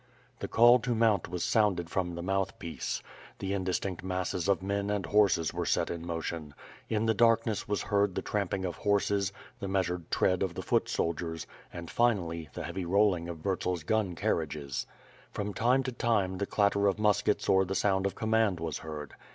The call to mount was sounded from the mouth piece. The indistinct masses of men and horses were set in motion. In the darkness was heard the tramping of horses, the measured tread of the foot soldiers, and, finally, the heavy rolling of Vurtsers gun car riages. From time to time, the clatter of muskets or the soimd of command was heard.